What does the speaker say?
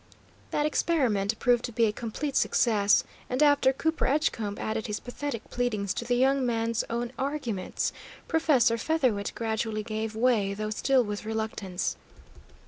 That experiment proved to be a complete success, and after Cooper Edgecombe added his pathetic pleadings to the young man's own arguments, Professor Featherwit gradually gave way, though still with reluctance.